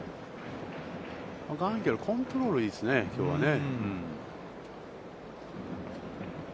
ガンケルはコントロールがいいですね、きょうはね。